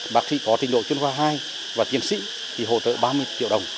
bác sĩ có trình độ chuyên khoa hai và tiến sĩ thì hỗ trợ ba mươi triệu đồng